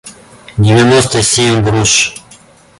девяносто семь груш